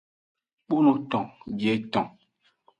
Kponoton bieton.